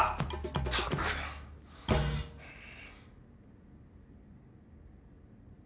ったくうん。